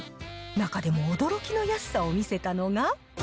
中でも驚きの安さを見せたのが。